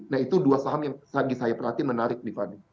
nah itu dua saham yang lagi saya perhatiin menarik nih fani